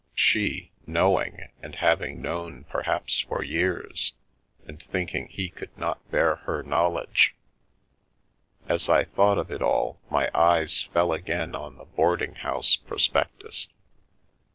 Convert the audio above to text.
She, knowing, and having known perhaps for years, and thinking he could not bear her knowledge. As I thought of it all my eyes fell again on the boarding house prospectus.